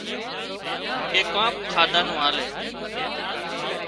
ڪي ڪانڪ کاڌا نُون آلي